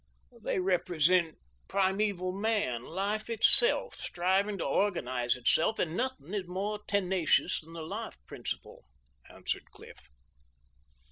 "They represent primeval man, life itself, striving to organize itself, and nothing is more tenacious than the life principle," answered Cliff.